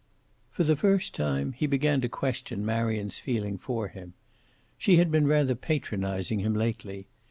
For the first time he began to question Marion's feeling for him. She had been rather patronizing him lately.